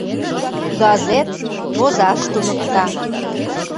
Газет — возаш туныкта.